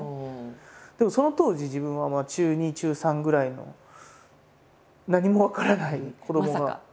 でもその当時自分は中２中３ぐらいの何も分からない子どもが。